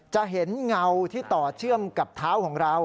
จะเห็นเงาที่ต่อเชื่อมกับเท้าของเรา